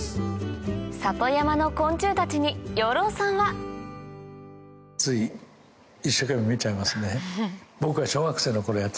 里山の昆虫たちに養老さんはつい一生懸命見ちゃいますね。